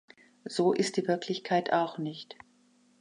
So ist die Wirklichkeit auch nicht.